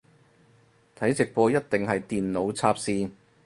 睇直播一定係電腦插線